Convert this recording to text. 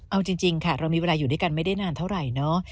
เอาจริงค่ะเรามีเวลาอยู่ด้วยกันไม่ได้นานเท่าไหร่เนอะ